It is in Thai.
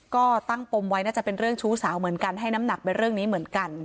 ก็ตั้งปมไว้น่าจะเป็นเรื่องชู้สาวเหมือนกันให้น้ำหนักไปเรื่องนี้เหมือนกัน